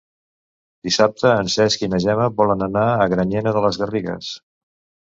Dissabte en Cesc i na Gemma volen anar a Granyena de les Garrigues.